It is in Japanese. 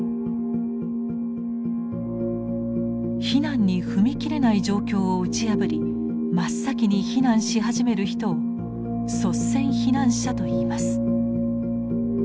避難に踏み切れない状況を打ち破り真っ先に避難し始める人を率先避難者といいます。